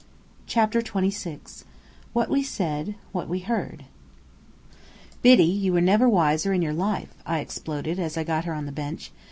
CHAPTER XXVI WHAT WE SAID: WHAT WE HEARD "Biddy, you were never wiser in your life," I exploded as I got her on the bench.